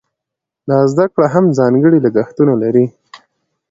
دا زده کړه هم ځانګړي لګښتونه لري.